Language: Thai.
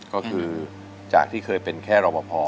ก็คือจากที่เคยเป็นแค่รอบพอ